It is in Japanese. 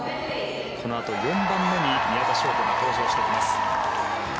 このあと、４番目に宮田笙子が登場してきます。